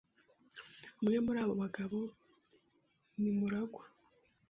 Umwe muri abo bagabo ni MuragwA.